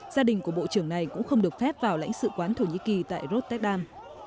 gia đình của bộ trưởng này cũng không được phép vào lãnh sự quán thổ nhĩ kỳ tại rotterdam